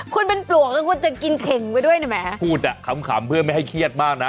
คุณเป็นปลวกแล้วคุณจะกินเข่งไปด้วยได้ไหมฮะพูดอ่ะขำเพื่อไม่ให้เครียดมากนะ